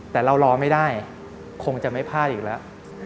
แต่เรารอไม่ได้คงจะไม่พลาดอีกแล้ว